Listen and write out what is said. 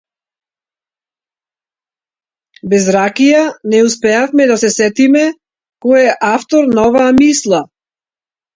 Без ракија не успеавме да се сетиме кој е авторот на оваа мисла.